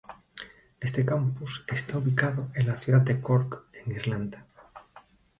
Este campus está ubicado en la ciudad de Cork en Irlanda.